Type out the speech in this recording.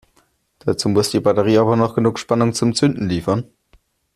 Dazu muss die Batterie aber noch genug Spannung zum Zünden liefern.